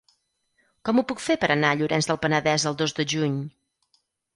Com ho puc fer per anar a Llorenç del Penedès el dos de juny?